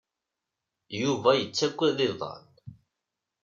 Yuba yettaggad iḍan.